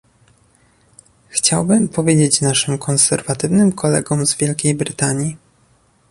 Chciałbym powiedzieć naszym konserwatywnym kolegom z Wielkiej Brytanii